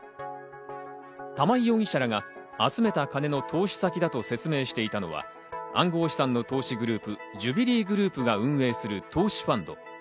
玉井容疑者らが集めた金の投資先だと説明していたのは暗号資産の投資グループ、ジュビリーグループが運営する投資ファンド。